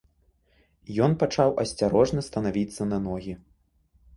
Ён пачаў асцярожна станавіцца на ногі.